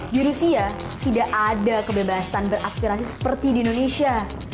di rusia tidak ada kebebasan beraspirasi seperti di indonesia